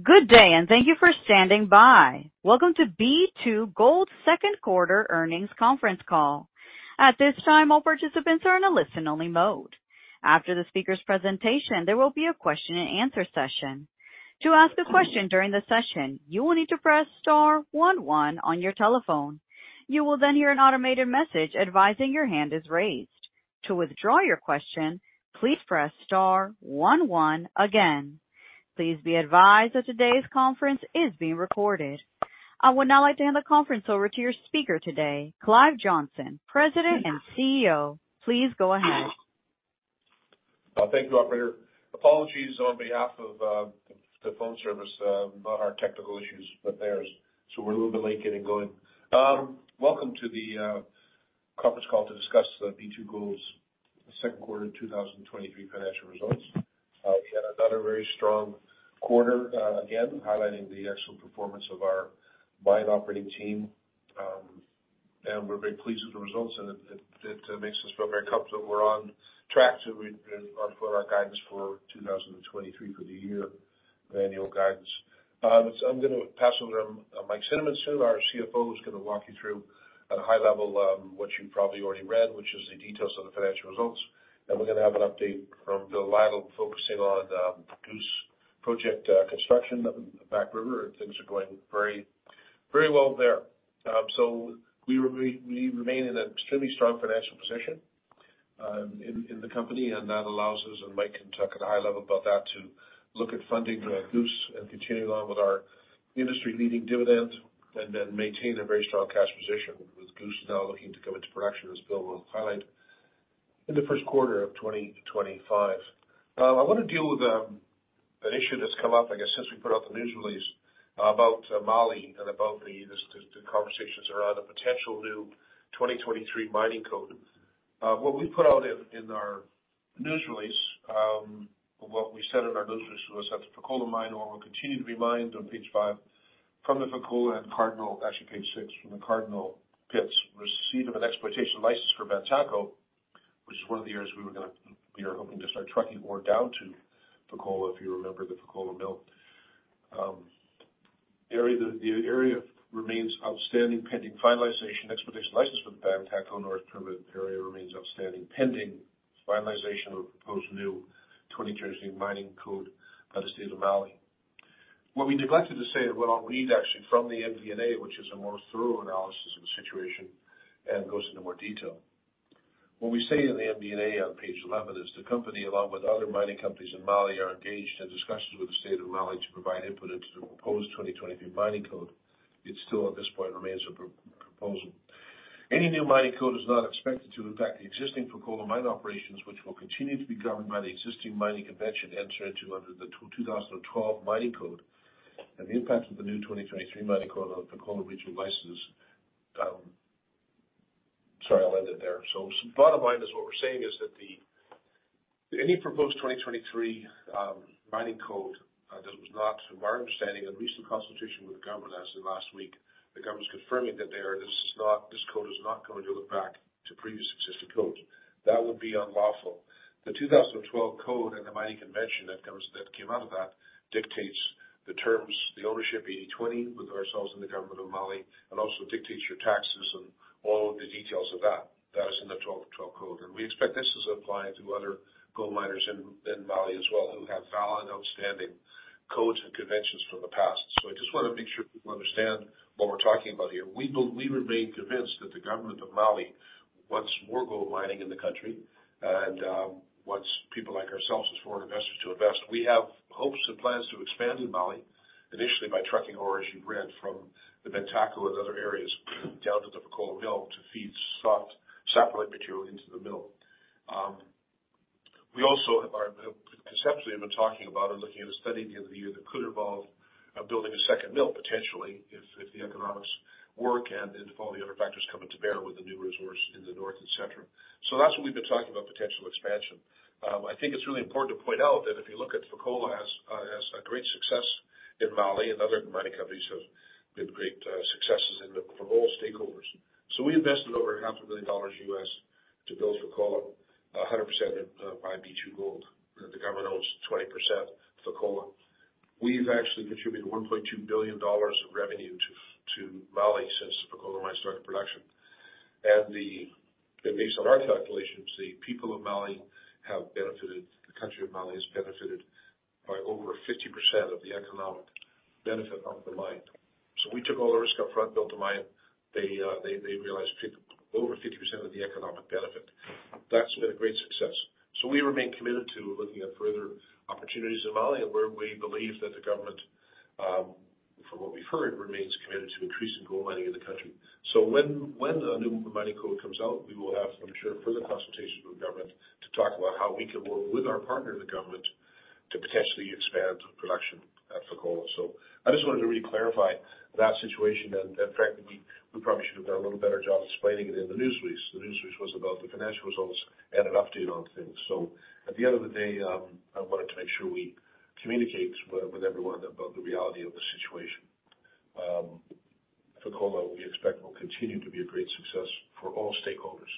Good day, thank you for standing by. Welcome to B2Gold second quarter earnings conference call. At this time, all participants are in a listen-only mode. After the speaker's presentation, there will be a question and answer session. To ask a question during the session, you will need to press star one, one on your telephone. You will hear an automated message advising your hand is raised. To withdraw your question, please press star one, one again. Please be advised that today's conference is being recorded. I would now like to hand the conference over to your speaker today, Clive Johnson, President and CEO. Please go ahead. Thank you, operator. Apologies on behalf of the phone service, not our technical issues, but theirs. We're a little bit late getting going. Welcome to the conference call to discuss B2Gold's second quarter 2023 financial results. We had another very strong quarter, again, highlighting the excellent performance of our mining operating team. We're very pleased with the results, and it, it, it makes us feel very comfortable we're on track to re- on for our guidance for 2023 for the year, the annual guidance. I'm gonna pass it over to Mike Cinnamond soon. Our CFO is gonna walk you through at a high level, what you probably already read, which is the details of the financial results. We're gonna have an update from Bill Lytle, focusing on Goose Project construction, Back River, and things are going very, very well there. We, we, we remain in an extremely strong financial position in the company, and that allows us, and Mike can talk at a high level about that, to look at funding Goose and continuing on with our industry-leading dividend, and then maintain a very strong cash position, with Goose now looking to go into production, as Bill will highlight, in the first quarter of 2025. I want to deal with an issue that's come up, I guess, since we put out the news release about Mali and about the, the, the, conversations around a potential new 2023 Mining Code. What we put out in our news release, what we said in our news release was that the Fekola Mine will continue to be mined on page five from the Fekola and Cardinal... Actually, page six, from the Cardinal pits, receipt of an exploitation license for Bantako, which is one of the areas we were gonna, we are hoping to start trucking ore down to Fekola, if you remember the Fekola Mill. The area, the area remains outstanding, pending finalization, exploitation license for the Bantako north permit area remains outstanding, pending finalization of a proposed new 2023 Mining Code by the Government of Mali. What we neglected to say, and what I'll read actually from the MD&A, which is a more thorough analysis of the situation and goes into more detail. What we say in the MD&A on page 11 is, "The company, along with other mining companies in Mali, are engaged in discussions with the state of Mali to provide input into the proposed 2023 Mining Code. It still, at this point, remains a proposal. Any new mining code is not expected to impact the existing Fekola Mine operations, which will continue to be governed by the existing Mining Convention entered into under the 2012 Mining Code, and the impact of the new 2023 Mining Code on Fekola regional licenses." sorry, I'll end it there. Bottom line is, what we're saying is that the, any proposed 2023 Mining Code that was not, from our understanding and recent consultation with the Government, as of last week, the Government's confirming that they are, this is not, this code is not going to look back to previous existing codes. That would be unlawful. The 2012 Mining Code and the Mining Convention that comes, that came out of that, dictates the terms, the ownership, 80/20, with ourselves and the Government of Mali, and also dictates your taxes and all of the details of that. That is in the 2012 code. We expect this is applying to other gold miners in Mali as well, who have valid, outstanding codes and conventions from the past. I just want to make sure people understand what we're talking about here. We remain convinced that the Government of Mali wants more gold mining in the country and wants people like ourselves as foreign investors to invest. We have hopes and plans to expand in Mali, initially by trucking ore, as you've read, from the Bantako and other areas down to the Fekola Mill to feed soft, saprolite material into the mill. We also have, are, have conceptually been talking about and looking at a study at the end of the year that could involve building a second mill, potentially, if, if the economics work and if all the other factors come into bear with the new resource in the north and center. That's what we've been talking about, potential expansion. I think it's really important to point out that if you look at Fekola as a great success in Mali and other mining companies have been great successes in the, for all stakeholders. We invested over $500 million to build Fekola, 100% by B2Gold. The Government owns 20% Fekola. We've actually contributed $1.2 billion of revenue to Mali since Fekola Mine started production. Based on our calculations, the people of Mali have benefited, the country of Mali has benefited by over 50% of the economic benefit of the Mine. We took all the risk up front, built the Mine. They, they realized over 50% of the economic benefit. That's been a great success. We remain committed to looking at further opportunities in Mali, where we believe that the government, from what we've heard, remains committed to increasing gold mining in the country. When, when the new mining code comes out, we will have, I'm sure, further consultations with the government to talk about how we can work with our partner in the government to potentially expand production at Fekola. I just wanted to re-clarify that situation, and, frankly, we probably should have done a little better job explaining it in the news release. The news release was about the financial results and an update on things. At the end of the day, I wanted to make sure we communicate with everyone about the reality of the situation. Fekola, we expect, will continue to be a great success for all stakeholders.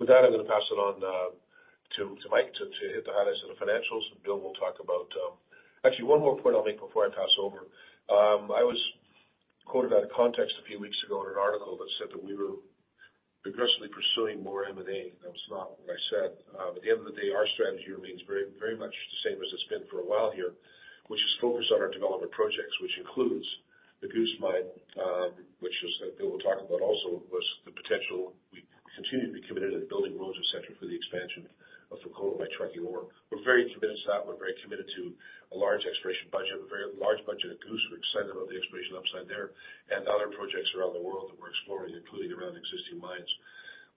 With that, I'm going to pass it on to Mike to hit the highlights of the financials. Bill will talk about... Actually, one more point I'll make before I pass over. I was quoted out of context a few weeks ago in an article that said that we were aggressively pursuing more M&A. That was not what I said. At the end of the day, our strategy remains very, very much the same as it's been for a while here, which is focused on our development projects, which includes the Goose Mine, which is, that Bill will talk about also, was the potential. We continue to be committed to building roads, et cetera, for the expansion of Fekola by trucking ore. We're very committed to that. We're very committed to a large exploration budget, a very large budget at Goose. We're excited about the exploration upside there and other projects around the world that we're exploring, including around existing mines.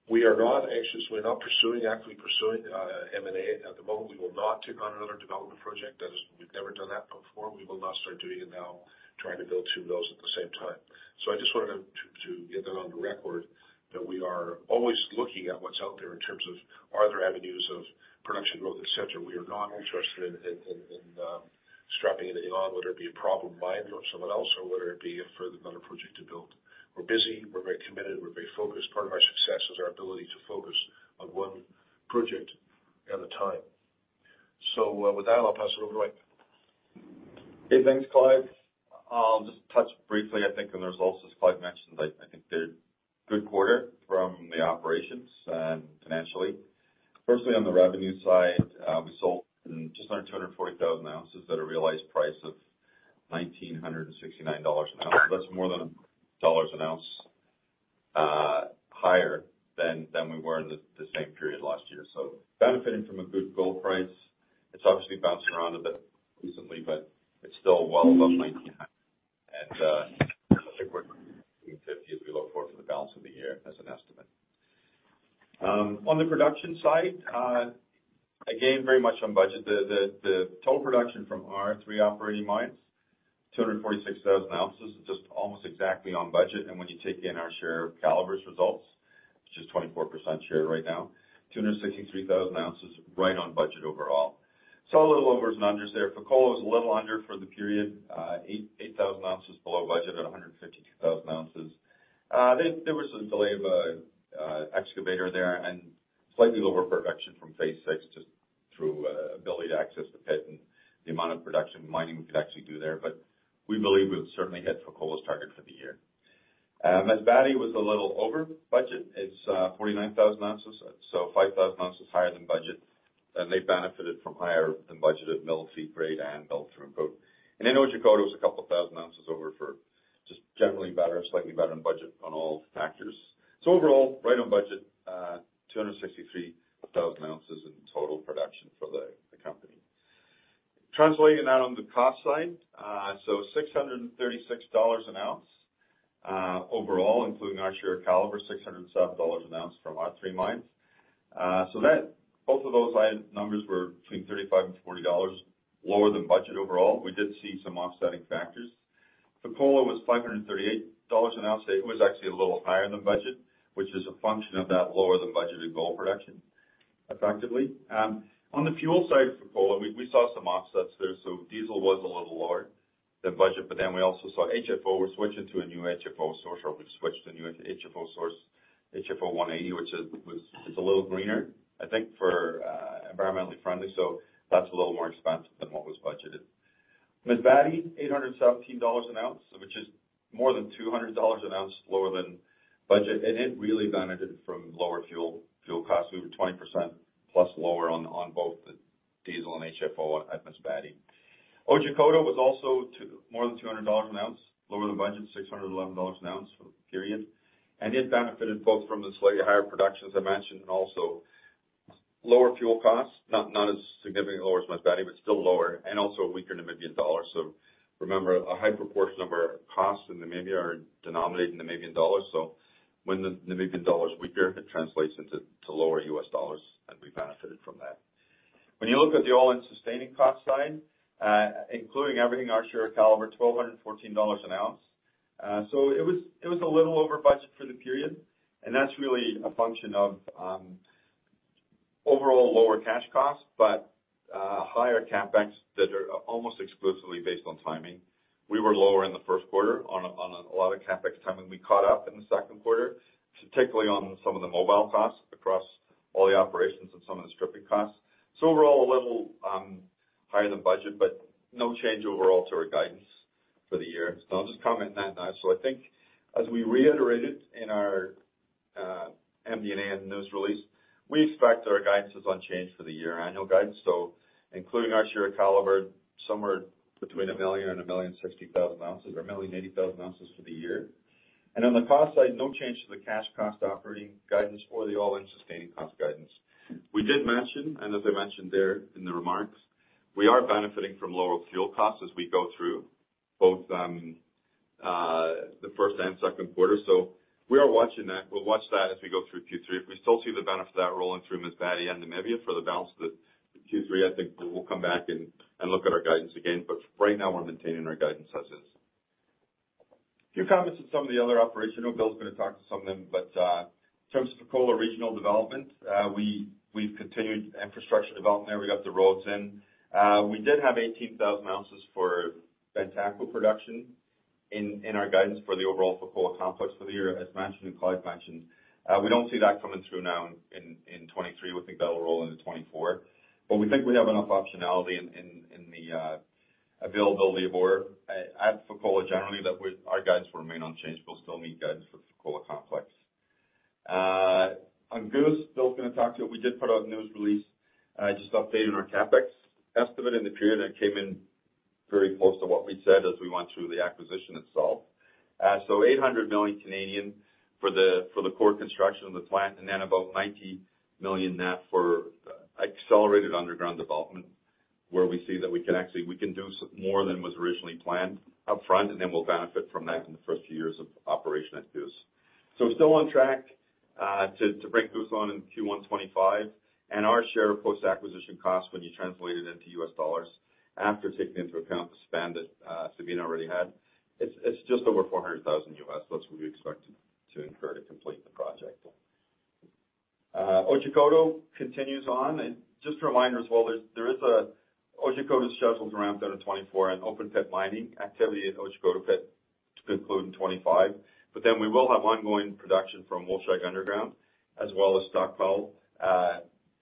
We are not actively, we're not pursuing, actively pursuing M&A at the moment. We will not take on another development project. That is, we've never done that before. We will not start doing it now, trying to build two of those at the same time. I just wanted to get that on the record, that we are always looking at what's out there in terms of, are there avenues of production growth, et cetera. We are not interested in, in, in, in strapping anything on, whether it be a problem mine or someone else, or whether it be a further another project to build. We're busy. We're very committed. We're very focused. Part of our success is our ability to focus on one project at a time. With that, I'll pass it over to Mike. Hey, thanks, Clive. I'll just touch briefly, I think, on the results, as Clive mentioned. I, I think they're a good quarter from the operations and financially. Firstly, on the revenue side, we sold just under 240,000 oz at a realized price of $1,969 per oz. That's more than dollars an ounce, higher than we were in the same period last year. Benefiting from a good gold price, it's obviously bounced around a bit recently, but it's still well above 1,900. I think we're 50 as we look forward for the balance of the year as an estimate. On the production side, again, very much on budget. The total production from our three operating mines, 246,000 oz, is just almost exactly on budget. When you take in our share of Calibre's results, which is 24% share right now, 263,000 oz, right on budget overall. A little overs and unders there. Fekola was a little under for the period, 8,000 ounces below budget at 152,000 oz. There was a delay of an excavator there and slightly lower production from phase six, just through ability to access the pit and the amount of production mining we could actually do there. We believe we'll certainly hit Fekola's target for the year. Masbate was a little over budget. It's 49,000 oz, so 5,000 oz higher than budget. They benefited from higher than budgeted mill feed grade and mill through and through. In Otjikoto, it was 2,000 ounces over for just generally better, slightly better than budget on all factors. Overall, right on budget, 263,000 ounces in total production for the company. Translating that on the cost side, $636 an ounce overall, including our share of Calibre, $607 an oz from our three mines. That, both of those item numbers were between $35-$40 lower than budget overall. We did see some offsetting factors. Fekola was $538 an ounce. It was actually a little higher than budget, which is a function of that lower than budgeted gold production, effectively. On the fuel side for Fekola, we saw some offsets there. Diesel was a little lower than budget. We also saw HFO. We're switching to a new HFO source, or we've switched to a new HFO source, HFO 180, which is, was, is a little greener, I think, for environmentally friendly. That's a little more expensive than what was budgeted. Masbate, $817 an ounce, which is more than $200 an ounce lower than budget. It, it really benefited from lower fuel, fuel costs. We were 20%+ lower on both the diesel and HFO at Masbate. Otjikoto was also more than $200 an ounce lower than budget, $611 an ounce for the period. It benefited both from the slightly higher production, as I mentioned, and also lower fuel costs. Not as significantly lower as Masbate, but still lower, and also a weaker Namibian dollar. Remember, a high proportion of our costs in Namibia are denominated in Namibian dollars. When the Namibian dollar is weaker, it translates into lower U.S. dollars, and we benefited from that. When you look at the all-in sustaining costs side, including everything, our share of Calibre, $1,214 an ounce. So it was a little over budget for the period, and that's really a function of overall lower cash costs, but higher CapEx that are almost exclusively based on timing. We were lower in the first quarter on a lot of CapEx timing. We caught up in the second quarter, particularly on some of the mobile costs across all the operations and some of the stripping costs. Overall, a little higher than budget, but no change overall to our guidance for the year. I'll just comment on that now. I think as we reiterated in our MD&A news release, we expect our guidance is unchanged for the year, annual guidance. Including our share of Calibre, somewhere between 1,060,000 ounces or 1,080,000 ounces for the year. On the cost side, no change to the cash operating cost guidance or the all-in sustaining cost guidance. We did mention, and as I mentioned there in the remarks, we are benefiting from lower fuel costs as we go through both the first and second quarter. We are watching that. We'll watch that as we go through Q3. If we still see the benefit of that rolling through Masbate and Namibia for the balance of the Q3, I think we'll come back and, and look at our guidance again. But right now, we're maintaining our guidance as is. A few comments on some of the other operational. Bill's going to talk to some of them, but In terms of Fekola Regional Development, we, we've continued infrastructure development there. We got the roads in. We did have 18,000 ounces for Bantako production in, in our guidance for the overall Fekola Complex for the year. As mentioned, and Clive mentioned, we don't see that coming through now in, in, in 2023. We think that'll roll into 2024, but we think we have enough optionality in, in, in the availability of ore at, at Fekola generally that our guidance will remain unchanged. We'll still meet guidance for Fekola Complex. On Goose, Bill's gonna talk to it. We did put out a news release just updating our CapEx estimate in the period, and it came in very close to what we said as we went through the acquisition itself. So 800 million for the, for the core construction of the plant, and then about 90 million net for accelerated underground development, where we see that we can actually, we can do more than was originally planned upfront, and then we'll benefit from that in the first few years of operation at Goose. We're still on track to bring Goose on in Q1 2025. Our share of post-acquisition costs, when you translate it into U.S. dollars, after taking into account the spend that Sabina already had, it's just over $400,000. That's what we expect to incur to complete the project. Otjikoto continues on. Just a reminder as well, there's, there is Otjikoto's scheduled to ramp out in 2024, and open pit mining activity at Otjikoto pit to conclude in 2025. We will have ongoing production from Wolfshag underground, as well as stockpile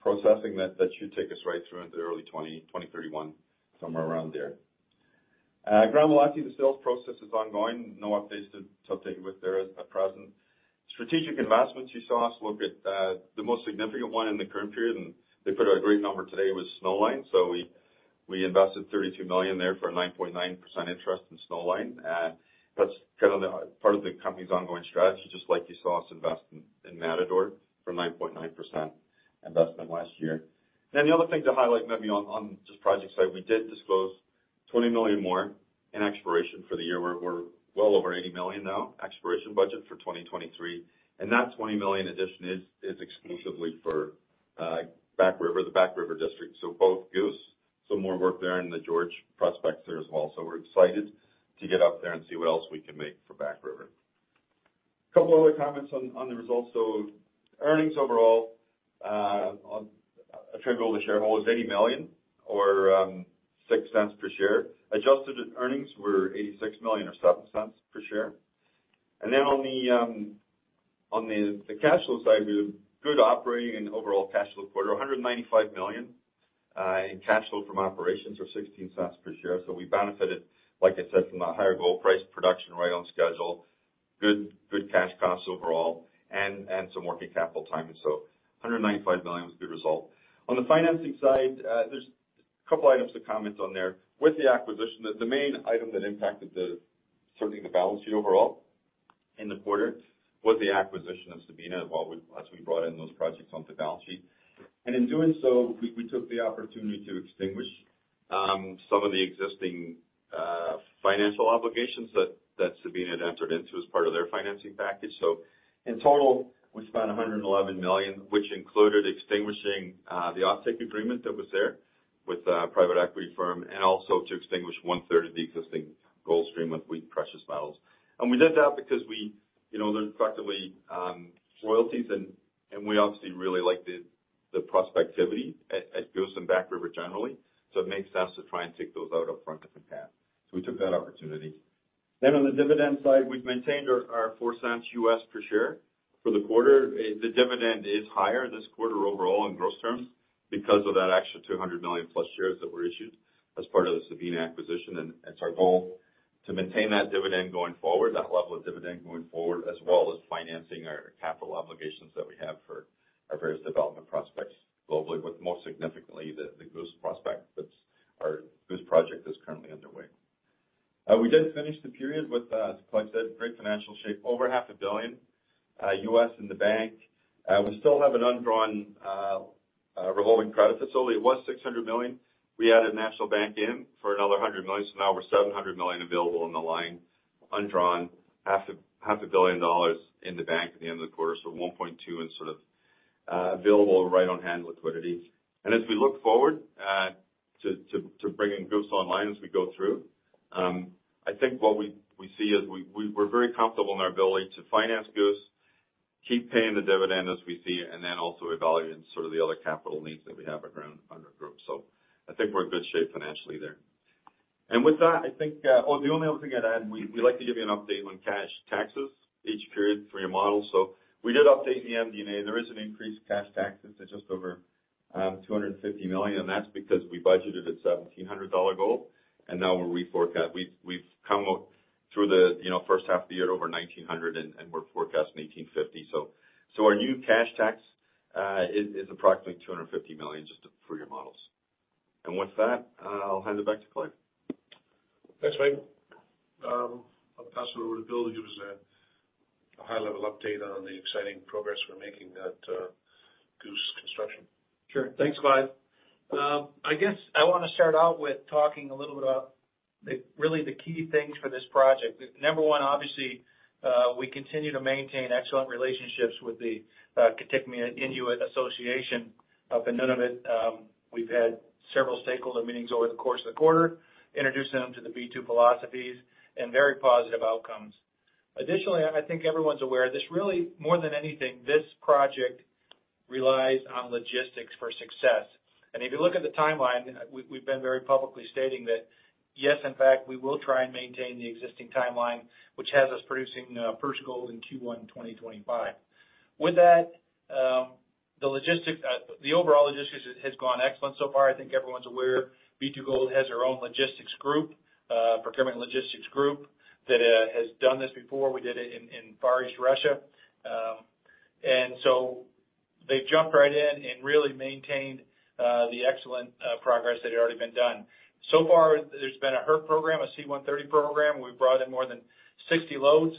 processing that should take us right through into early 2031, somewhere around there. Gramalote, the sales process is ongoing. No updates to take with there at present. Strategic investments, you saw us look at, the most significant one in the current period, and they put out a great number today, was Snowline. We, we invested $32 million there for a 9.9% interest in Snowline, and that's kind of the, part of the company's ongoing strategy, just like you saw us invest in, in Matador for 9.9% investment last year. The other thing to highlight maybe on, on just project side, we did disclose $20 million more in exploration for the year. We're, we're well over $80 million now, exploration budget for 2023, and that $20 million addition is, is exclusively for, Back River, the Back River district. Both Goose, some more work there in the George prospects there as well. We're excited to get up there and see what else we can make for Back River. Couple other comments on the results, earnings overall, attributable to shareholders, $80 million or $0.06 per share. Adjusted earnings were $86 million or $0.07 per share. On the cash flow side, we have good operating and overall cash flow quarter, $195 million in cash flow from operations or $0.16 per share. We benefited, like I said, from a higher gold price production, right on schedule, good, good cash costs overall, and some working capital timing. $195 million was a good result. On the financing side, there's a couple items of comments on there. With the acquisition, the main item that impacted the, certainly the balance sheet overall in the quarter, was the acquisition of Sabina, as we brought in those projects onto the balance sheet. In doing so, we took the opportunity to extinguish, some of the existing, financial obligations that, that Sabina had entered into as part of their financing package. In total, we spent $111 million, which included extinguishing, the off-take agreement that was there with a private equity firm, and also to extinguish one-third of the existing gold stream with Wheaton Precious Metals. We did that because we, you know, they're effectively, royalties, and we obviously really like the, the prospectivity at, at Goose and Back River generally. It makes sense to try and take those out up front if we can. We took that opportunity. On the dividend side, we've maintained our, our $0.04 U.S. per share for the quarter. The, the dividend is higher this quarter overall in gross terms because of that extra 200 million plus shares that were issued as part of the Sabina acquisition. It's our goal to maintain that dividend going forward, that level of dividend going forward, as well as financing our capital obligations that we have for our various development prospects globally, with most significantly, the, the Goose prospect, that's our Goose Project that's currently underway. We did finish the period with, as Clive said, great financial shape, over $500 million U.S. in the bank. We still have an undrawn, revolving credit facility. It was $600 million. We added National Bank in for another $100 million. Now we're $700 million available on the line, undrawn, $500 million in the bank at the end of the quarter. One point two in sort of available right on hand liquidity. As we look forward to bringing Goose online as we go through, I think what we see is we're very comfortable in our ability to finance Goose, keep paying the dividend as we see it, and then also evaluate sort of the other capital needs that we have around, under group. I think we're in good shape financially there. With that, I think. Oh, the only other thing I'd add, we like to give you an update on cash taxes each period for your model. We did update the MD&A. There is an increased cash taxes to just over $250 million, and that's because we budgeted at $1,700 gold, and now we've come through the, you know, first half of the year, over $1,900, and we're forecasting $1,850. So our new cash tax is approximately $250 million, just for your models. With that, I'll hand it back to Clive. Thanks, Mike. I'll pass it over to Bill. Give us a high level update on the exciting progress we're making at Goose Construction. Sure. Thanks, Clive. I guess I want to start out with talking a little bit about the, really the key things for this project. Number one, obviously, we continue to maintain excellent relationships with the Kitikmeot Inuit Association.... up in Nunavut, we've had several stakeholder meetings over the course of the quarter, introducing them to the B2 philosophies and very positive outcomes. Additionally, I think everyone's aware, this really more than anything, this project relies on logistics for success. If you look at the timeline, and we, we've been very publicly stating that, yes, in fact, we will try and maintain the existing timeline, which has us producing, first gold in Q1 2025. With that, the overall logistics has, has gone excellent so far. I think everyone's aware, B2Gold has their own logistics group, procurement logistics group, that has done this before. We did it in, in Far East Russia. So they've jumped right in and really maintained the excellent progress that had already been done. Far, there's been a HURT program, a C-130 program. We've brought in more than 60 loads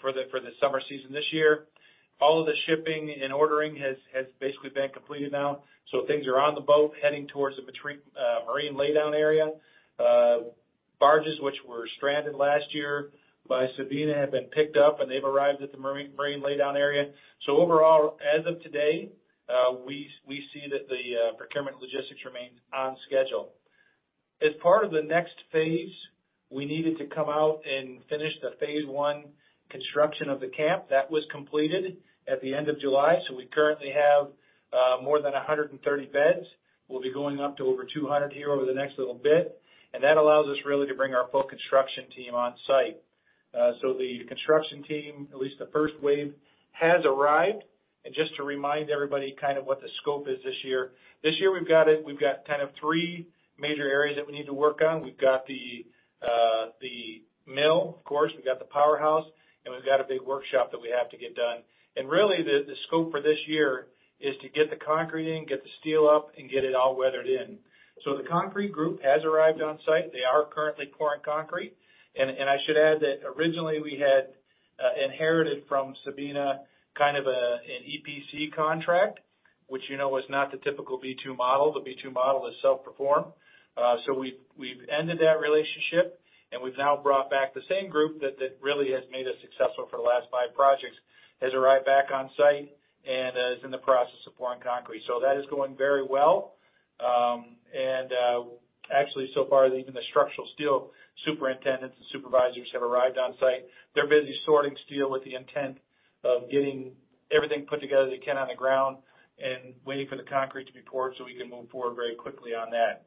for the, for the summer season this year. All of the shipping and ordering has, has basically been completed now, so things are on the boat heading towards the marine laydown area. Barges, which were stranded last year by Sabina, have been picked up, and they've arrived at the marine, marine laydown area. Overall, as of today, we see that the procurement and logistics remains on schedule. As part of the next phase, we needed to come out and finish the phase one construction of the camp. That was completed at the end of July, so we currently have more than 130 beds. We'll be going up to over 200 here over the next little bit. That allows us really to bring our full construction team on site. The construction team, at least the first wave, has arrived. Just to remind everybody kind of what the scope is this year, this year, we've got kind of three major areas that we need to work on. We've got the mill, of course, we've got the powerhouse, and we've got a big workshop that we have to get done. Really, the, the scope for this year is to get the concrete in, get the steel up, and get it all weathered in. The concrete group has arrived on site. They are currently pouring concrete. I should add that originally we had, inherited from Sabina, kind of a, an EPC contract, which, you know, is not the typical B2 model. The B2 model is self-performed. We've, we've ended that relationship, and we've now brought back the same group that, that really has made us successful for the last five projects, has arrived back on site and, is in the process of pouring concrete. That is going very well. Actually, so far, even the structural steel superintendents and supervisors have arrived on site. They're busy sorting steel with the intent of getting everything put together as they can on the ground and waiting for the concrete to be poured so we can move forward very quickly on that.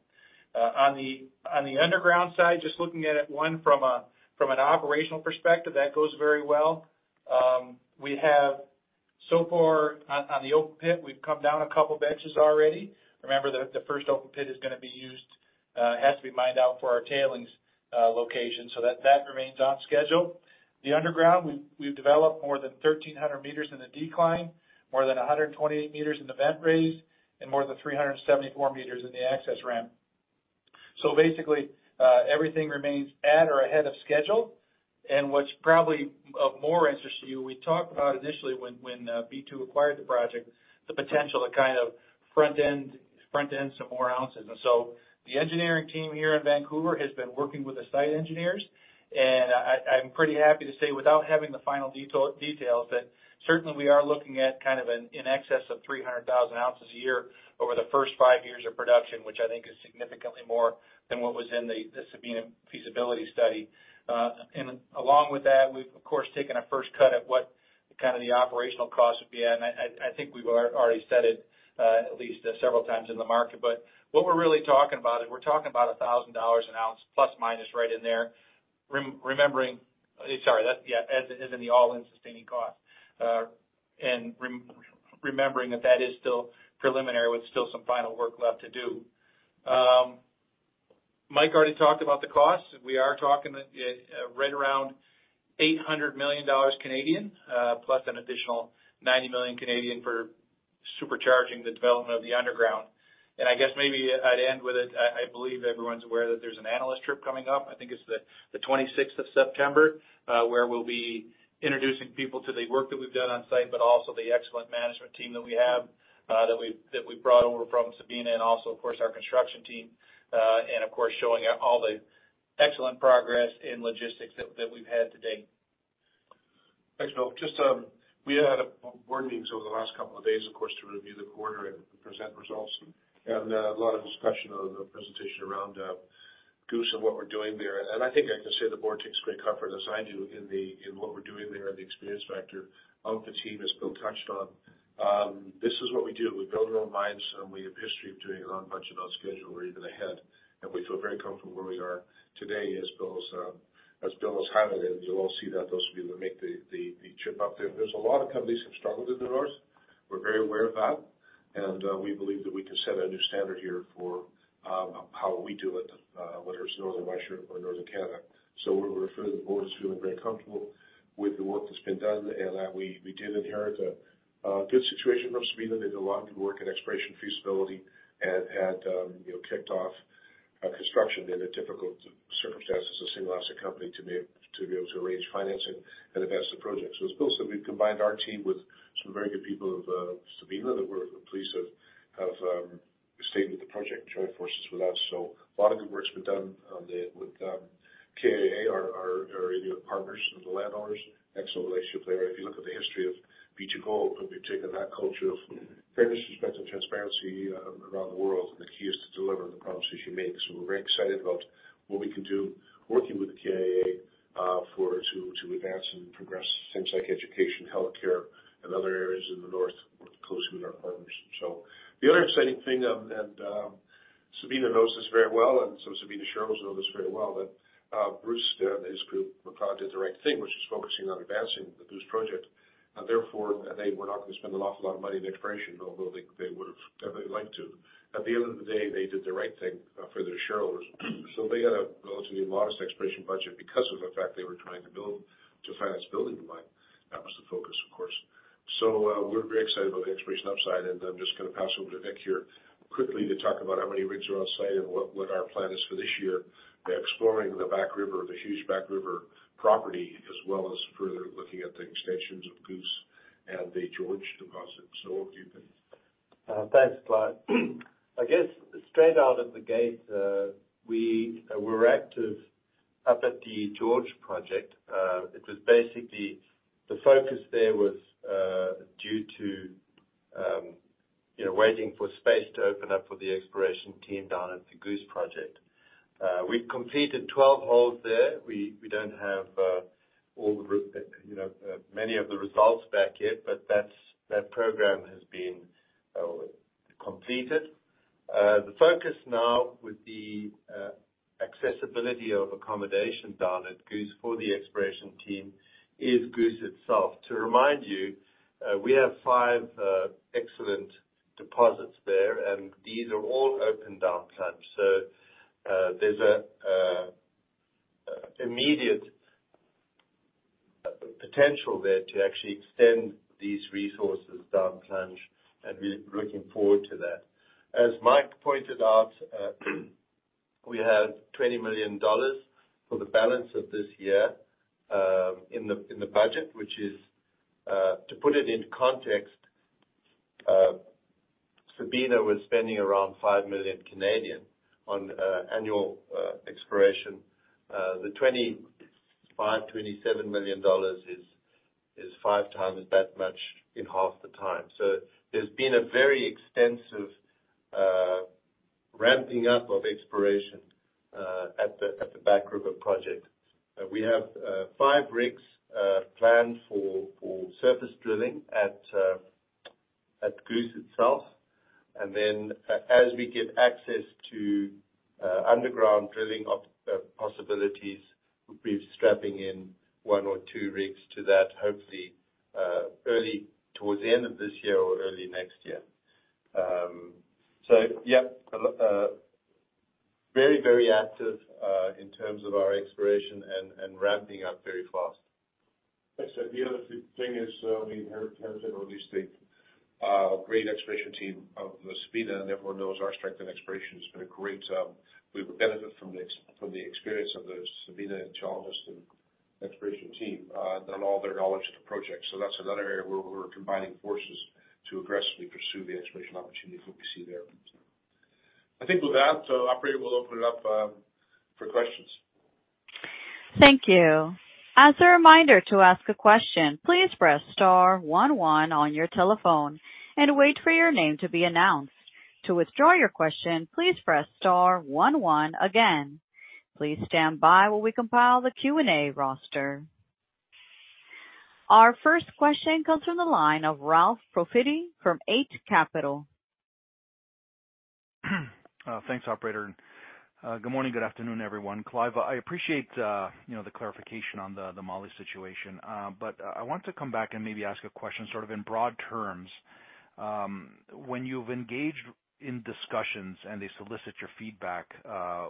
On the, on the underground side, just looking at it, one, from a, from an operational perspective, that goes very well. We have so far on, on the open pit, we've come down a couple benches already. Remember, the, the first open pit is gonna be used, has to be mined out for our tailings, location, so that, that remains on schedule. The underground, we've, we've developed more than 1,300 meters in the decline, more than 128 meters in the vent raise, and more than 374 meters in the access ramp. Basically, everything remains at or ahead of schedule. What's probably of more interest to you, we talked about initially when, when B2 acquired the project, the potential to kind of front-end, front-end some more ounces. The engineering team here in Vancouver has been working with the site engineers, and I'm pretty happy to say, without having the final details, that certainly we are looking at kind of in excess of 300,000 ounces a year over the first five years of production, which I think is significantly more than what was in the Sabina feasibility study. Along with that, we've, of course, taken a first cut at what kind of the operational costs would be, and I think we've already said it, at least several times in the market. What we're really talking about is we're talking about $1,000 an ounce, plus or minus right in there, remembering. Sorry, that's, yeah, as in the all-in sustaining cost. Rem- remembering that that is still preliminary, with still some final work left to do. Mike already talked about the costs. We are talking, right around C$800 million, plus an additional C$90 million for supercharging the development of the underground. I guess maybe I'd end with it, I, I believe everyone's aware that there's an analyst trip coming up. I think it's the, the 26th of September, where we'll be introducing people to the work that we've done on site, but also the excellent management team that we have, that we've, that we've brought over from Sabina, and also, of course, our construction team. Of course, showing, all the excellent progress in logistics that, that we've had to date. Thanks, Bill. Just, we had a board meeting over the last couple of days, of course, to review the quarter and present results. A lot of discussion on the presentation around Goose and what we're doing there. I think I can say the board takes great comfort, as I do, in the, in what we're doing there and the experience factor of the team, as Bill touched on. This is what we do. We build our own mines, and we have a history of doing it on budget, on schedule, or even ahead, and we feel very comfortable where we are today, as Bill's, as Bill has highlighted, and you'll all see that, those of you that make the, the, the trip up there. There's a lot of companies have struggled in the North. We're very aware of that. We believe that we can set a new standard here for how we do it, whether it's Northern Russia or Northern Canada. We refer the board is feeling very comfortable with the work that's been done and that we, we did inherit a good situation from Sabina. They did a lot of good work in exploration feasibility and had, you know, kicked off construction in the difficult circumstances of a single asset company to be able, to be able to arrange financing and advance the project. As Bill said, we've combined our team with some very good people of Sabina, that we're pleased to have with us, stayed with the project, joined forces with us. A lot of good work's been done on the, with KIA, our, our, our Indian partners and the landowners. Excellent relationship there. If you look at the history of B2Gold, we've taken that culture of fairness, respect, and transparency around the world, the key is to deliver on the promises you make. We're very excited about what we can do working with the KIA for, to, to advance and progress things like education, healthcare, and other areas in the north, working closely with our partners. The other exciting thing, Sabina knows this very well, Sabina shareholders know this very well, that Bruce and his group, McLeod, did the right thing, which is focusing on advancing the Goose Project. Therefore, they were not going to spend an awful lot of money in exploration, although they, they would've definitely liked to. At the end of the day, they did the right thing for their shareholders. They had a relatively modest exploration budget because of the fact they were trying to build, to finance building the mine. That was the focus, of course. We're very excited about the exploration upside, and I'm just gonna pass over to Vic here quickly to talk about how many rigs are on site and what our plan is for this year. We're exploring the Back River, the huge Back River property, as well as further looking at the extensions of Goose and the George prospects. Over to you, Vic. Thanks, Clive. I guess straight out of the gate, we're active up at the George project. It was basically the focus there was due to, you know, waiting for space to open up for the exploration team down at the Goose Project. We've completed 12 holes there. We don't have all the you know, many of the results back yet, but that's, that program has been completed. The focus now with the accessibility of accommodation down at Goose for the exploration team is Goose itself. To remind you, we have five excellent deposits there, and these are all open down plunge. There's a immediate potential there to actually extend these resources down plunge, and we're looking forward to that. As Mike pointed out, we have $20 million for the balance of this year in the budget, which is, to put it into context, Sabina was spending around C$5 million on annual exploration. The $25 million-$27 million is five times that much in half the time. There's been a very extensive ramping up of exploration at the Back River project. We have five rigs planned for surface drilling at Goose itself. As we get access to underground drilling possibilities, we'll be strapping in one or two rigs to that, hopefully, early towards the end of this year or early next year. yeah, very, very active, in terms of our exploration and, and ramping up very fast. I'd say the other thing is, we have, have, obviously, a great exploration team of Sabina, and everyone knows our strength in exploration has been a great. We benefit from the from the experience of the Sabina and Chalice exploration team, and all their knowledge of the project. That's another area where we're combining forces to aggressively pursue the exploration opportunities that we see there. I think with that, operator, we'll open it up for questions. Thank you. As a reminder to ask a question, please press star one one on your telephone and wait for your name to be announced. To withdraw your question, please press star one one again. Please stand by while we compile the Q&A roster. Our first question comes from the line of Ralph Profiti from Eight Capital. Thanks, operator. Good morning, good afternoon, everyone. Clive, I appreciate, you know, the clarification on the Mali situation, I want to come back and maybe ask a question, sort of in broad terms. When you've engaged in discussions and they solicit your feedback,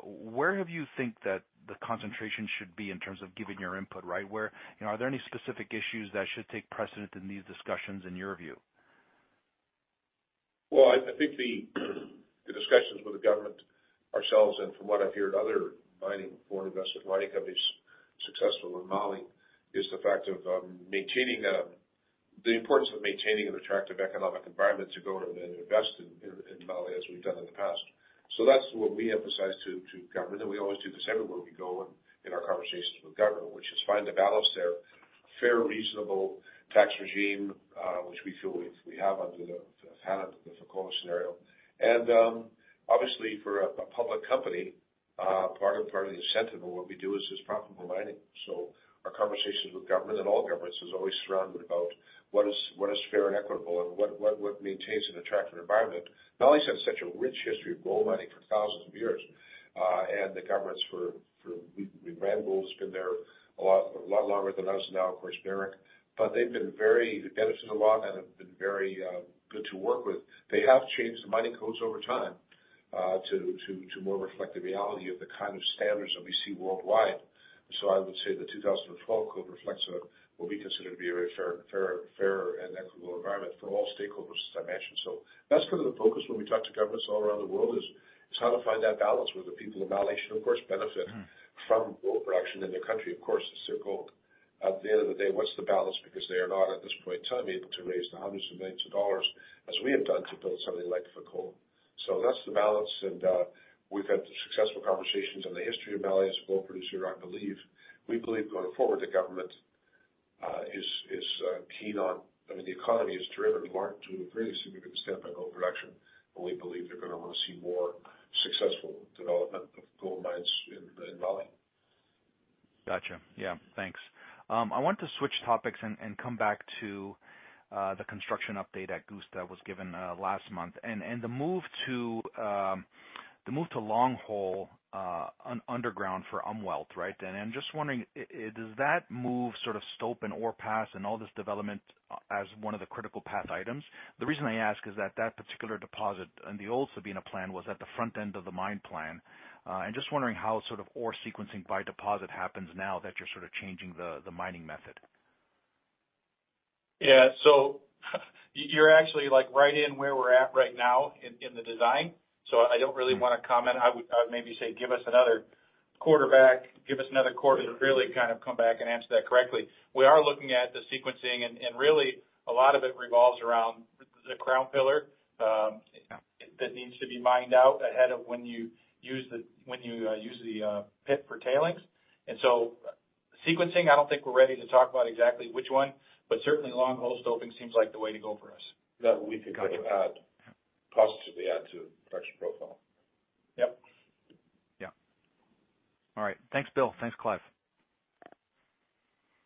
where have you think that the concentration should be in terms of giving your input, right? Where, you know, are there any specific issues that should take precedent in these discussions in your view? Well, I, I think the, the discussions with the government, ourselves, and from what I've heard, other mining, foreign invested mining companies, successful in Mali, is the fact of maintaining the importance of maintaining an attractive economic environment to go to and invest in, in Mali, as we've done in the past. That's what we emphasize to, to government, and we always do this everywhere we go in, in our conversations with government, which is find the balance there. Fair, reasonable tax regime, which we feel we, we have under the Fekola scenario. Obviously, for a, a public company, part of, part of the incentive of what we do is, is profitable mining. Our conversations with government and all governments is always surrounded about what is, what is fair and equitable, and what, what, what maintains an attractive environment. Mali's had such a rich history of gold mining for thousands of years, the governments for Randgold's been there a lot, a lot longer than us, now, of course, Barrick. They've been very beneficial of that and have been very good to work with. They have changed the mining codes over time to more reflect the reality of the kind of standards that we see worldwide. I would say the 2012 Mining Code reflects what we consider to be a very fairer and equitable environment for all stakeholders, as I mentioned. That's kind of the focus when we talk to governments all around the world, how to find that balance, where the people of Mali should, of course, benefit- Mm-hmm. From gold production in their country, of course, it's their gold.... At the end of the day, what's the balance? Because they are not, at this point in time, able to raise the hundreds of millions of dollars as we have done to build something like Fekola. So that's the balance, and we've had successful conversations on the history of Mali as a gold producer, I believe. We believe going forward, the Government is, is keen on-- I mean, the economy is driven in large to a pretty significant extent by gold production, and we believe they're gonna want to see more successful development of gold mines in, in Mali. Gotcha. Yeah, thanks. I want to switch topics and, and come back to the construction update at Goose that was given last month, and, and the move to the move to long haul underground for Umwelt, right? I'm just wondering, does that move sort of stope and ore pass and all this development as one of the critical path items? The reason I ask is that that particular deposit on the old Sabina plan was at the front end of the mine plan. Just wondering how sort of ore sequencing by deposit happens now that you're sort of changing the, the mining method. Yeah. You're actually, like, right in where we're at right now in, in the design, so I don't really want to comment. I would, I would maybe say, give us another quarter back, give us another quarter to really kind of come back and answer that correctly. We are looking at the sequencing, and, and really, a lot of it revolves around the crown pillar, that needs to be mined out ahead of when you use the, when you use the pit for tailings. Sequencing, I don't think we're ready to talk about exactly which one, but certainly long hole stoping seems like the way to go for us. That we think would add, positively add to the production profile. Yep. Yeah. All right. Thanks, Bill. Thanks, Clive.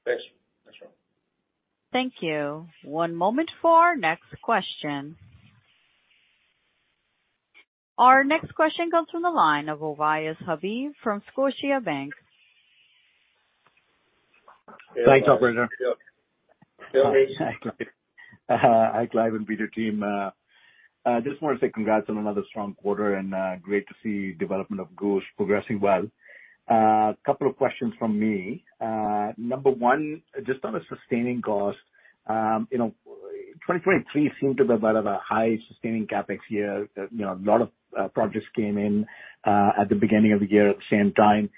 Thanks. Thanks, Ralph. Thank you. One moment for our next question. Our next question comes from the line of Ovais Habib from Scotiabank. Thanks, operator. Hi. Hi, Clive and B2 team. I just want to say congrats on another strong quarter and, great to see development of Goose progressing well. A couple of questions from me. Number one, just on a sustaining cost, you know, 2023 seemed to be a bit of a high sustaining CapEx year. You know, a lot of projects came in at the beginning of the year at the same time.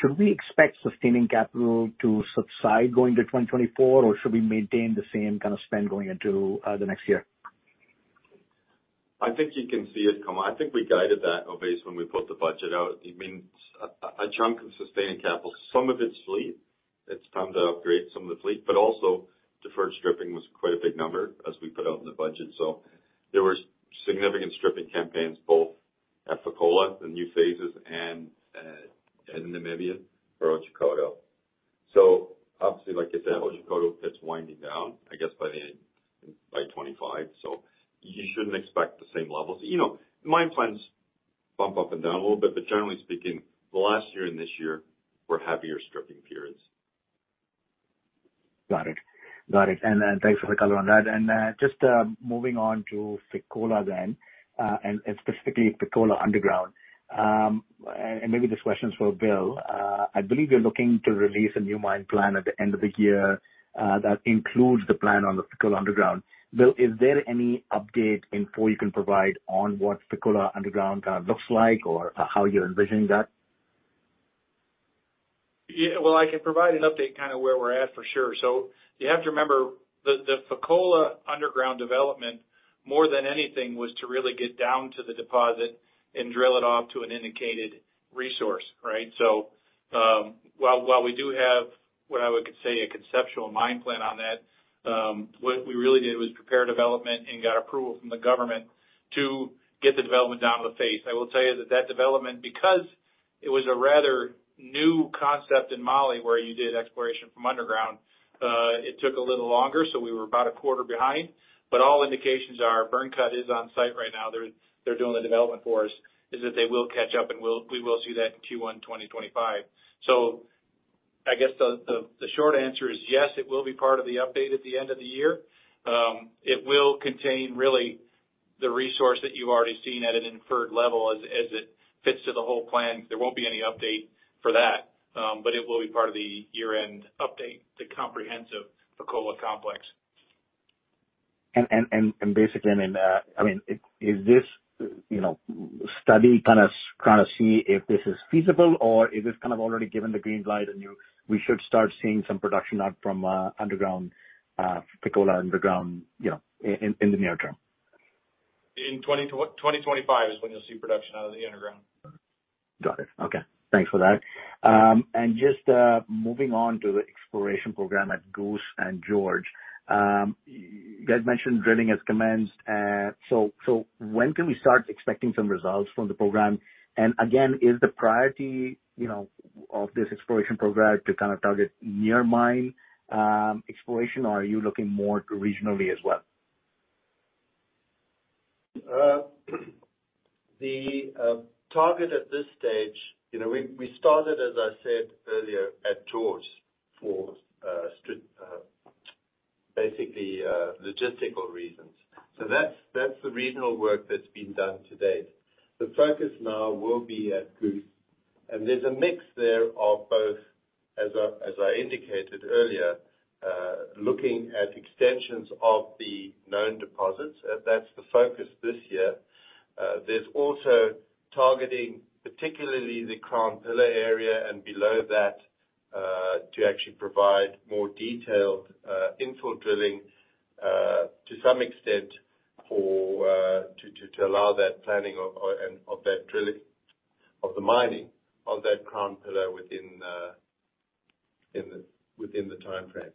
Should we expect sustaining capital to subside going to 2024, or should we maintain the same kind of spend going into the next year? I think you can see it come... I think we guided that, Ovais, when we put the budget out. It means a, a chunk of sustained capital. Some of it's fleet. It's time to upgrade some of the fleet, also deferred stripping was quite a big number, as we put out in the budget. There were significant stripping campaigns, both at Fekola, the new phases, and in Namibia for Otjikoto. Obviously, like, if the Otjikoto pit's winding down, I guess by the end, by 2025, you shouldn't expect the same levels. You know, mine plans bump up and down a little bit, generally speaking, last year and this year were heavier stripping periods. Got it. Got it. Thanks for the color on that. Just, moving on to Fekola then, and specifically Fekola Underground. Maybe this question is for Bill. I believe you're looking to release a new mine plan at the end of the year, that includes the plan on the Fekola Underground. Bill, is there any update info you can provide on what Fekola Underground kind of looks like or how you're envisioning that? Yeah, well, I can provide an update, kind of where we're at, for sure. You have to remember, the Fekola underground development, more than anything, was to really get down to the deposit and drill it off to an indicated resource, right? While we do have what I would say, a conceptual mine plan on that, what we really did was prepare development and got approval from the government to get the development down to the face. I will tell you that that development, because it was a rather new concept in Mali, where you did exploration from underground, it took a little longer, so we were about a quarter behind. All indications are Byrnecut is on site right now. They're, they're doing the development for us, is that they will catch up, and we will see that in Q1 2025. I guess the, the, the short answer is yes, it will be part of the update at the end of the year. It will contain really the resource that you've already seen at an inferred level as, as it fits to the whole plan. There won't be any update for that, but it will be part of the year-end update, the comprehensive Fekola Complex. and, and, and basically, I mean, I mean, is this, you know, study kind of, kind of see if this is feasible, or is this kind of already given the green light, and we should start seeing some production out from underground Fekola underground, you know, in the near term? In 2025 is when you'll see production out of the underground. Got it. Okay. Thanks for that. Just, moving on to the exploration program at Goose and George. You guys mentioned drilling has commenced. So when can we start expecting some results from the program? Again, is the priority, you know, of this exploration program to kind of target near mine, exploration, or are you looking more regionally as well? The target at this stage, you know, we, we started, as I said earlier, at George for, basically, logistical reasons. That's, that's the regional work that's been done to date. The focus now will be at Goose, there's a mix there of both, as I, as I indicated earlier.... looking at extensions of the known deposits, that's the focus this year. There's also targeting, particularly the Crown Pillar area and below that, to actually provide more detailed, infill drilling, to some extent for, to, to, to allow that planning of, of, and of that drilling, of the mining of that Crown Pillar within, in the, within the timeframe.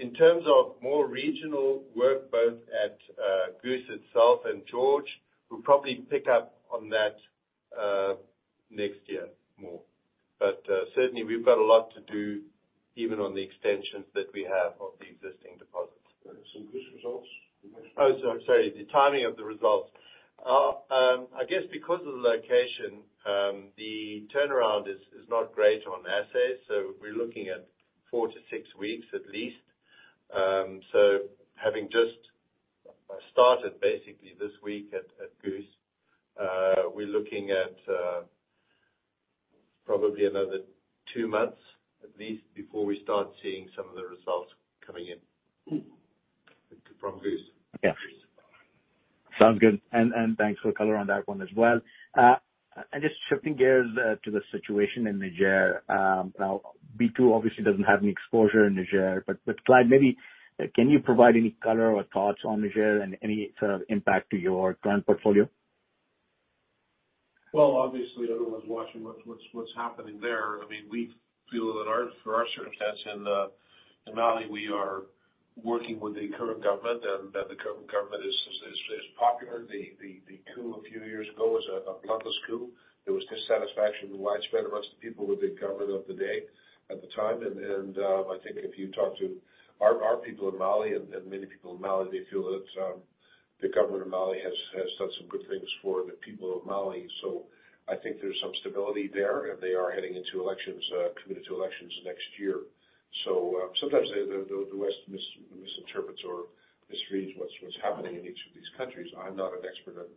In terms of more regional work, both at Goose itself and George, we'll probably pick up on that next year more. Certainly we've got a lot to do, even on the extensions that we have of the existing deposits. Some good results? Oh, so sorry, the timing of the results. I guess because of the location, the turnaround is not great on assays, so we're looking at four to six weeks at least. Having just started basically this week at Goose, we're looking at probably another two months, at least, before we start seeing some of the results coming in. From Goose. Yeah. Sounds good. Thanks for the color on that one as well. Just shifting gears to the situation in Niger. Now B2 obviously doesn't have any exposure in Niger, but Clive, maybe, can you provide any color or thoughts on Niger and any sort of impact to your current portfolio? Well, obviously, everyone's watching what's, what's, what's happening there. I mean, we feel that our- for our circumstance in Mali, we are working with the current government, and the current government is, is, is popular. The, the, the coup a few years ago was a, a bloodless coup. There was dissatisfaction widespread amongst the people with the government of the day, at the time. I think if you talk to our, our people in Mali and many people in Mali, they feel that the Government of Mali has, has done some good things for the people of Mali. I think there's some stability there, and they are heading into elections, committed to elections next year. Sometimes the, the, the, the West mis- misinterprets or misreads what's, what's happening in each of these countries. I'm not an expert on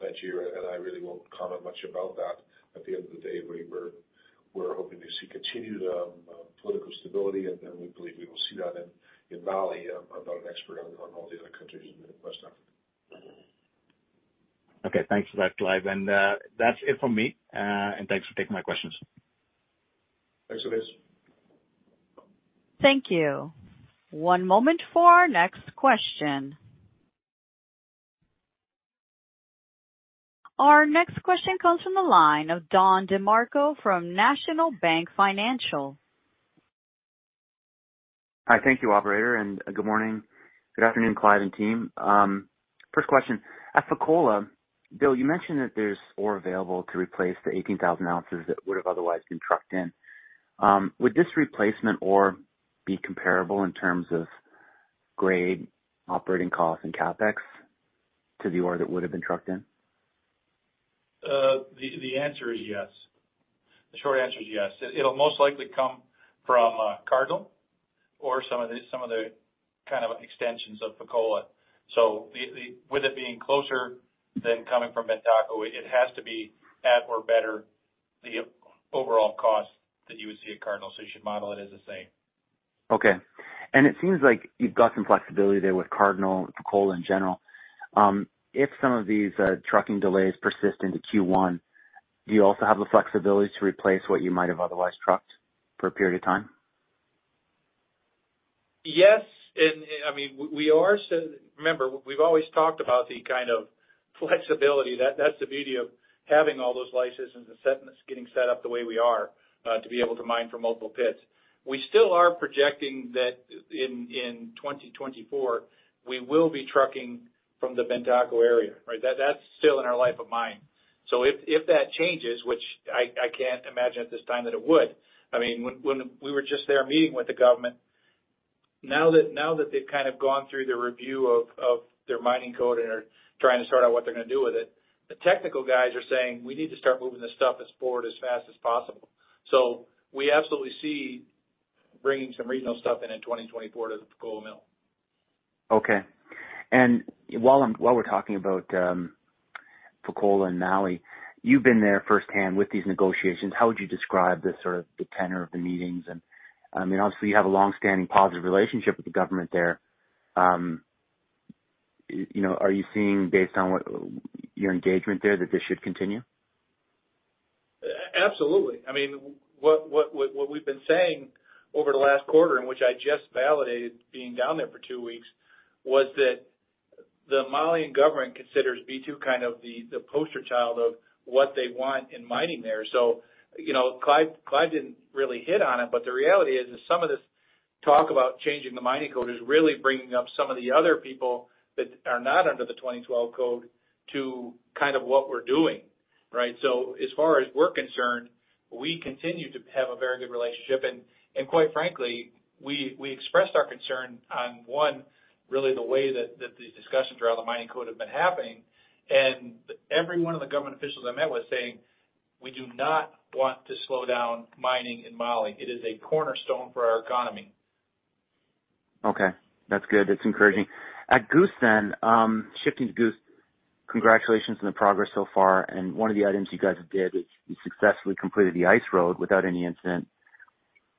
Nigeria, and I really won't comment much about that. At the end of the day, we're, we're, we're hoping to see continued political stability, and, and we believe we will see that in, in Mali. I'm, I'm not an expert on, on all the other countries in West Africa. Mm-hmm. Okay, thanks for that, Clive. That's it from me, and thanks for taking my questions. Thanks, Ovais. Thank you. One moment for our next question. Our next question comes from the line of Don DeMarco from National Bank Financial. Hi, thank you, operator. Good morning. Good afternoon, Clive and team. First question. At Fekola, Bill, you mentioned that there's ore available to replace the 18,000 ounces that would've otherwise been trucked in. Would this replacement ore be comparable in terms of grade, operating costs, and CapEx to the ore that would've been trucked in? The answer is yes. The short answer is yes. It'll most likely come from Cardinal or some of the, some of the kind of extensions of Fekola. With it being closer than coming from Bantako, it has to be at or better the overall cost than you would see at Cardinal. You should model it as the same. Okay. It seems like you've got some flexibility there with Cardinal, Fekola in general. If some of these trucking delays persist into Q1, do you also have the flexibility to replace what you might have otherwise trucked for a period of time? Yes, I mean, we are so. Remember, we've always talked about the kind of flexibility. That's the beauty of having all those licenses and getting set up the way we are to be able to mine from multiple pits. We still are projecting that in 2024, we will be trucking from the Bantako area, right? That's still in our life of mine. If, if that changes, which I, I can't imagine at this time that it would, I mean, when, when we were just there meeting with the government. Now that, now that they've kind of gone through the review of their mining code and are trying to sort out what they're gonna do with it, the technical guys are saying, "We need to start moving this stuff forward as fast as possible." We absolutely see bringing some regional stuff in 2024 to the Fekola Mill. Okay. While I'm, while we're talking about, Fekola and Mali, you've been there firsthand with these negotiations. How would you describe the sort of, the tenor of the meetings? I mean, obviously, you have a long-standing positive relationship with the government there. you know, are you seeing based on what, your engagement there, that this should continue? absolutely. I mean, what we've been saying over the last quarter, and which I just validated, being down there for two weeks, was that the Malian government considers B2 kind of the, the poster child of what they want in mining there. You know, Clive didn't really hit on it, but the reality is, is some of this talk about changing the mining code is really bringing up some of the other people that are not under the 2012 code to kind of what we're doing, right? As far as we're concerned, we continue to have a very good relationship, and quite frankly, we, we expressed our concern on, one, really the way that these discussions around the mining code have been happening. Every one of the government officials I met with saying, "We do not want to slow down mining in Mali. It is a cornerstone for our economy. Okay, that's good. That's encouraging. At Goose then, shifting to Goose, congratulations on the progress so far, and one of the items you guys did is, you successfully completed the ice road without any incident.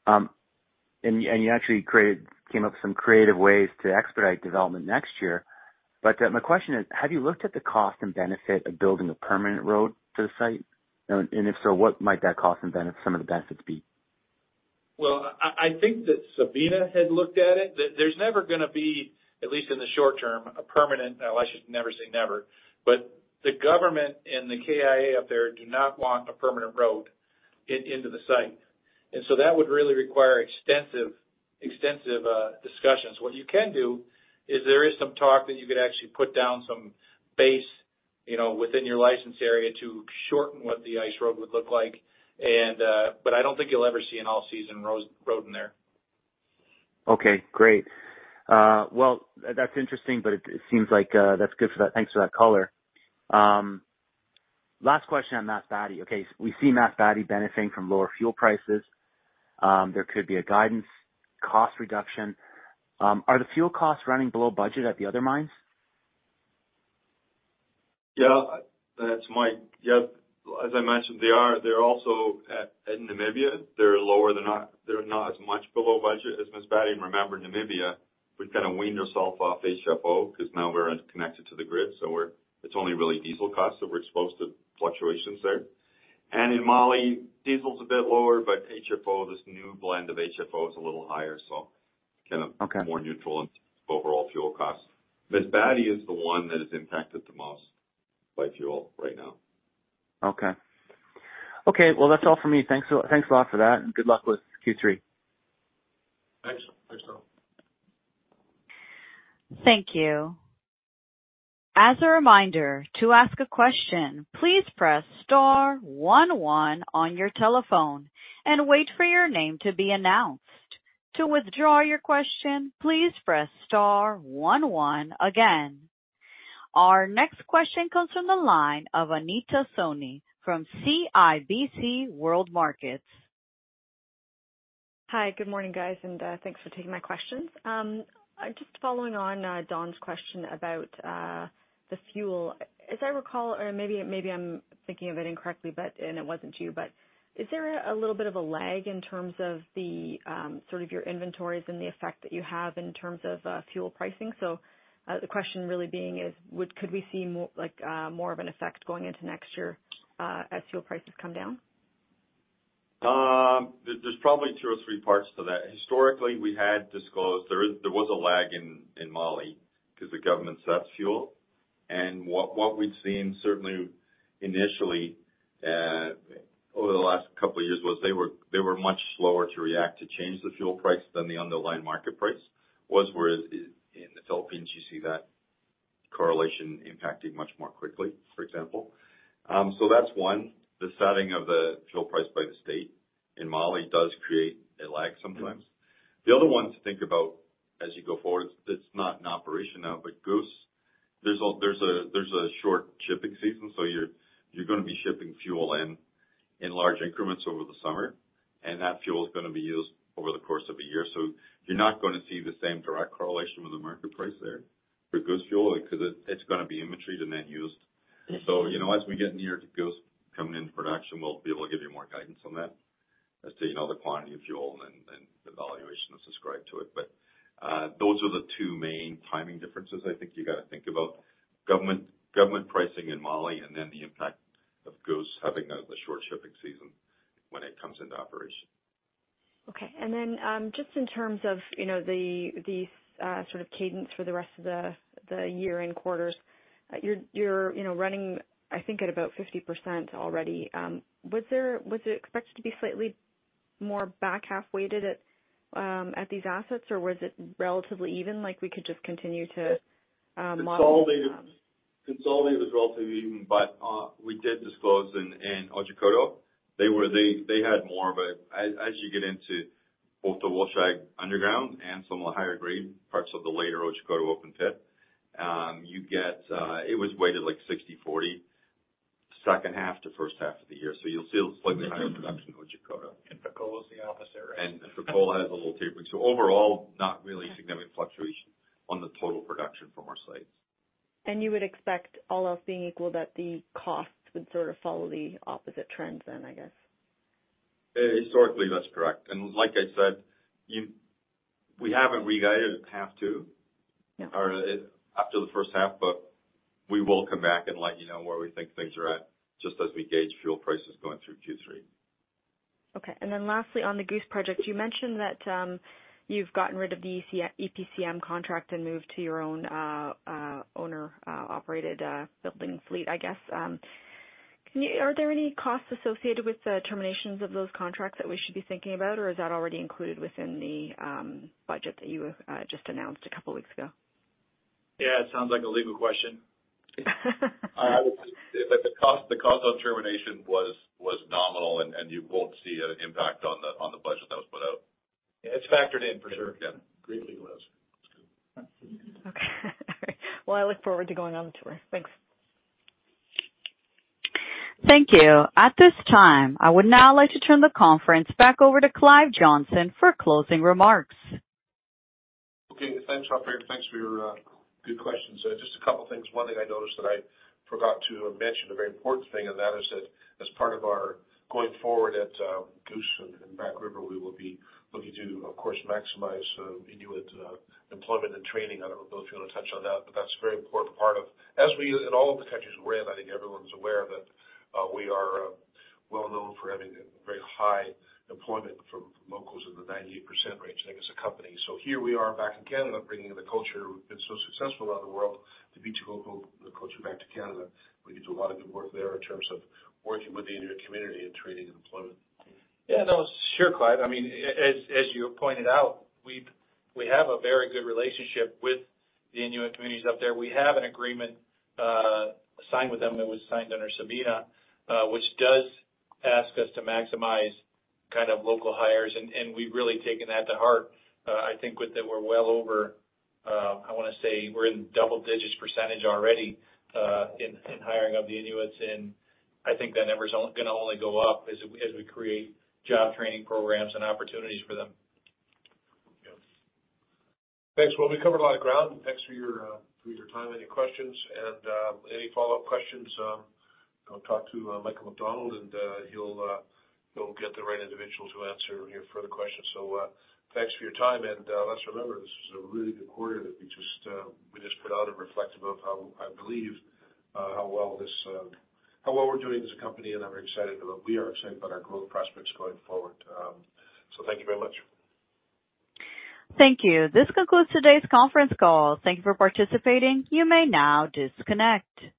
You actually created, came up with some creative ways to expedite development next year. My question is, have you looked at the cost and benefit of building a permanent road to the site? If so, what might that cost and benefit, some of the benefits be? Well, I, I think that Sabina had looked at it. There, there's never gonna be, at least in the short term, a permanent-- well, I should never say never, but the government and the KIA up there do not want a permanent road in, into the site. That would really require extensive, extensive discussions. What you can do, is there is some talk that you could actually put down some base, you know, within your license area to shorten what the ice road would look like, and, but I don't think you'll ever see an all-season road, road in there. Okay, great. Well, that's interesting, but it, it seems like that's good for that. Thanks for that color. Last question on Masbate. Okay, we see Masbate benefiting from lower fuel prices. There could be a guidance, cost reduction. Are the fuel costs running below budget at the other mines? Yeah, it's Mike. Yep. As I mentioned, they are. They're also at, at Namibia, they're lower than not. They're not as much below budget as Masbate. Remember, Namibia, we've kind of weaned ourselves off HFO, because now we're connected to the grid, so we're it's only really diesel costs, so we're exposed to fluctuations there. In Mali, diesel's a bit lower, but HFO, this new blend of HFO is a little higher, so kind of- Okay. More neutral in overall fuel costs. Masbate is the one that is impacted the most by fuel right now. Okay. Okay, well, that's all for me. Thanks, thanks a lot for that. Good luck with Q3. Thanks. Thanks a lot. Thank you. As a reminder, to ask a question, please press star one one on your telephone and wait for your name to be announced. To withdraw your question, please press star one one again. Our next question comes from the line of Anita Soni from CIBC World Markets. Hi, good morning, guys, and thanks for taking my questions. Just following on Don's question about the fuel. As I recall, or maybe, maybe I'm thinking of it incorrectly, but it wasn't you, but is there a little bit of a lag in terms of the sort of your inventories and the effect that you have in terms of fuel pricing? The question really being is: Would, could we see more, more of an effect going into next year as fuel prices come down? There's probably two or three parts to that. Historically, we had disclosed there is, there was a lag in, in Mali because the government sets fuel. What we'd seen certainly initially, over the last couple of years was they were much slower to react to change the fuel price than the underlying market price. Whereas in the Philippines, you see that correlation impacting much more quickly, for example. So that's one, the setting of the fuel price by the state in Mali does create a lag sometimes. The other one to think about as you go forward, it's not in operation now, but Goose, there's a short shipping season, so you're, you're gonna be shipping fuel in large increments over the summer, and that fuel is gonna be used over the course of a year. You're not gonna see the same direct correlation with the market price there for Goose fuel, because it, it's gonna be inventoried and then used. You know, as we get near to Goose coming into production, we'll be able to give you more guidance on that, as to, you know, the quantity of fuel and, and the valuation that's ascribed to it. Those are the two main timing differences I think you got to think about. Government, Government pricing in Mali, and then the impact of Goose having the short shipping season when it comes into operation. Okay. Then, just in terms of, you know, the, the, sort of cadence for the rest of the, the year-end quarters, you're, you're, you know, running, I think, at about 50% already. Was there, was it expected to be slightly more back half weighted at, at these assets? Or was it relatively even, like we could just continue to, model? Consolidate, consolidate was relatively even, but we did disclose in Otjikoto, they were, they had more of it. As you get into both the underground and some of the higher grade parts of the later Otjikoto open pit, it was weighted like 60/40, second half to first half of the year. You'll see a slightly higher production in Otjikoto. Fekola is the opposite. Fekola has a little tapering. Overall, not really significant fluctuation on the total production from our sites. You would expect, all else being equal, that the costs would sort of follow the opposite trends then, I guess? Historically, that's correct. Like I said, you, we haven't re-guided half two. Yeah. After the first half, but we will come back and let you know where we think things are at, just as we gauge fuel prices going through Q3. Okay. Lastly, on the Goose Project, you mentioned that, you've gotten rid of the EPCM contract and moved to your own, owner, operated, building fleet, I guess. Can you-- are there any costs associated with the terminations of those contracts that we should be thinking about, or is that already included within the budget that you just announced a couple weeks ago? Yeah, it sounds like a legal question. The cost, the cost of termination was, was nominal, and, and you won't see an impact on the, on the budget that was put out. It's factored in for sure. Yeah. Greatly less. Okay. Well, I look forward to going on the tour. Thanks. Thank you. At this time, I would now like to turn the conference back over to Clive Johnson for closing remarks. Okay, thanks, operator. Thanks for your good questions. Just a couple of things. One thing I noticed that I forgot to mention, a very important thing, and that is that as part of our going forward at Goose and Back River, we will be looking to, of course, maximize Inuit employment and training. I don't know if you want to touch on that, but that's a very important part of... As we, in all of the countries we're in, I think everyone's aware of it, we are well known for having a very high employment from locals in the 98% range, I think, as a company. Here we are back in Canada, bringing in the culture. We've been so successful around the world to bring the culture back to Canada. We can do a lot of good work there in terms of working with the Inuit community in training and employment. Yeah, no, sure, Clive. I mean, as you pointed out, we have a very good relationship with the Inuit communities up there. We have an agreement signed with them that was signed under Sabina, which does ask us to maximize kind of local hires, and, and we've really taken that to heart. I think with that, we're well over, I want to say we're in double digits % already, in, in hiring of the Inuits, and I think that number's gonna only go up as we, as we create job training programs and opportunities for them. Yeah. Thanks. Well, we covered a lot of ground. Thanks for your for your time and your questions. Any follow-up questions, talk to Mike Cinnamond, and he'll he'll get the right individual to answer your further questions. Thanks for your time, and let's remember, this is a really good quarter that we just we just put out a reflective of how I believe how well this how well we're doing as a company, and I'm excited about. We are excited about our growth prospects going forward. Thank you very much. Thank you. This concludes today's conference call. Thank you for participating. You may now disconnect.